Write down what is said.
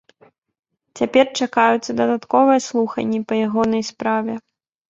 Цяпер чакаюцца дадатковыя слуханні па ягонай справе.